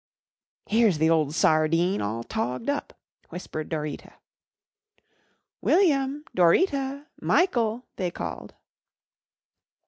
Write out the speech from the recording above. "Here's the old sardine all togged up," whispered Dorita. "William! Dorita! Michael!" they called.